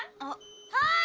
はい！